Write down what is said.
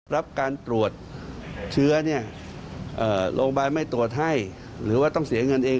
รับการตรวจเชื้อเนี่ยโรงพยาบาลไม่ตรวจให้หรือว่าต้องเสียเงินเอง